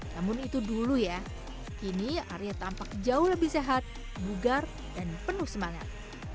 namun itu dulu ya kini arya tampak jauh lebih sehat bugar dan penuh semangat